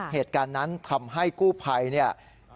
เหตุการณ์นั้นทำให้กู้ภัยเนี่ย